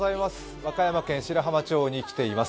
和歌山県白浜町に来ています。